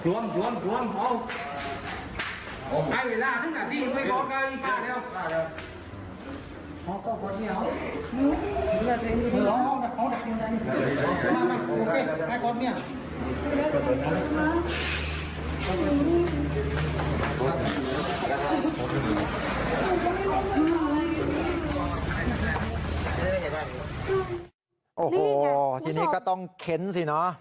โอ้โหทีนี้ก็ต้องเค้นสิเนอะ